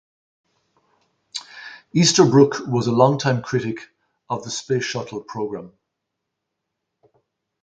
Easterbrook was a longtime critic of the Space Shuttle program.